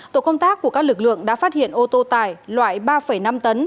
tổ công tác của các lực lượng đã phát hiện ô tô tải loại ba năm tấn